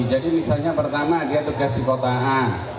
jadi misalnya pertama dia tugas di kota a